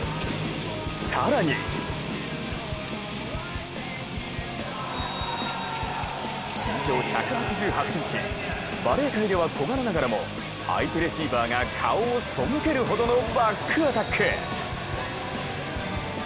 更に身長１８８ｃｍ、バレー界では小柄ながらも相手レシーバーが顔をそむけるほどのバックアタック。